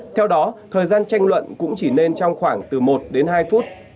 theo đó thời gian tranh luận cũng chỉ nên trong khoảng từ một đến hai phút